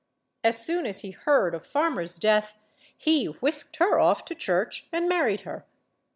As soon as he heard of Farmer's death, he whisked her off to church and mar ried her.